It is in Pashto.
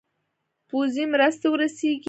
پوځي مرستي ورسیږي.